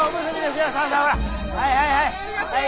はいはいはい。